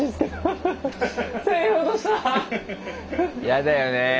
やだよねぇ。